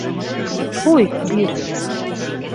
Ҡуй, бир.